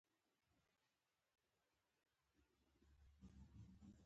نور څوک پیدا نه شول چې له وینډولانډا څخه لیک ولیکي